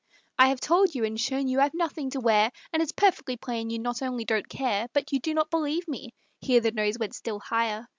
I have told you and shown you I've nothing to wear, And it's perfectly plain you not only don't care, But you do not believe me" (here the nose went still higher).